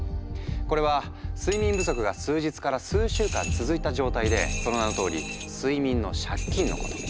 これは睡眠不足が数日から数週間続いた状態でその名のとおり「睡眠の借金」のこと。